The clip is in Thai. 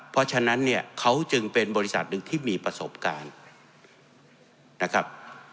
เพราะฉะนั้นเนี่ยเขาจึงเป็นบริษัทหนึ่งที่มีประสบการณ์นะครับ